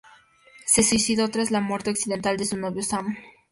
Se suicidó tras la muerte accidental de su novio Sam.